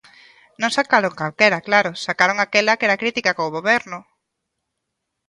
Non sacaron calquera, claro, sacaron aquela que era crítica co goberno.